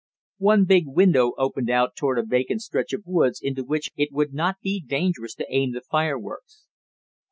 One big window opened out toward a vacant stretch of woods into which it would not be dangerous to aim the fireworks.